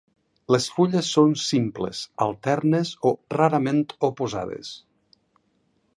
Les fulles són simples, alternes o rarament oposades.